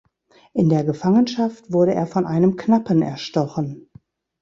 In der Gefangenschaft wurde er von einem Knappen erstochen.